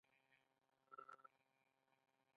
د پښتنو یو زړه ور مشر مقاومت یې بیانوي.